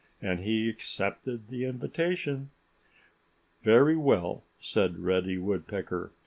And he accepted the invitation." "Very well!" said Reddy Woodpecker.